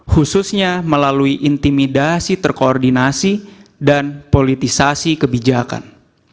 khususnya melalui intimidasi terkoordinasi dan politisasi kebijakan